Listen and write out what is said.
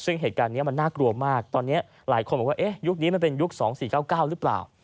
ซึ่งเหตุการณ์นี้มันน่ากลัวมากตอนนี้หลายคนบอกว่ายุคนี้มันเป็นยุค๒๔๙๙หรือเปล่า